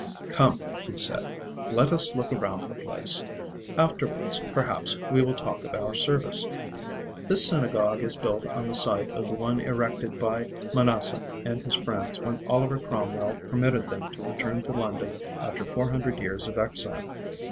"Come," he said, "let us look around the place. Afterwards, perhaps, we will talk of our Service. This synagogue is built on the site of the one erected by Manasseh and his friends when Oliver Cromwell permitted them to return to London after four hundred years of exile.